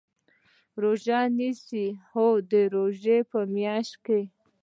روژه نیسئ؟ هو، د روژی په میاشت کې